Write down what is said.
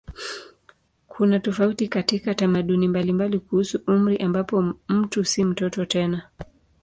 Kuna tofauti katika tamaduni mbalimbali kuhusu umri ambapo mtu si mtoto tena.